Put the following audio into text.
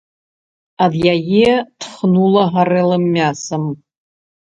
Ад яе тхнула гарэлым мясам.